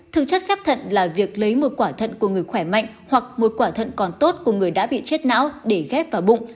thực chất ghép thận là việc lấy một quả thận của người khỏe mạnh hoặc một quả thận còn tốt của người đã bị chết não để ghép vào bụng